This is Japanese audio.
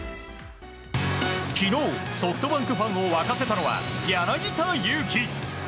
昨日、ソフトバンクファンを沸かせたのは柳田悠岐。